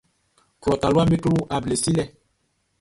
Klɔ taluaʼm be klo able silɛ.